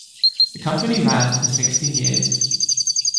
The company ran for sixteen years.